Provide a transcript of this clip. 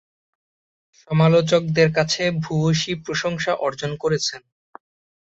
সমালোচকদের কাছে ভূয়সী প্রশংসা অর্জন করেছেন।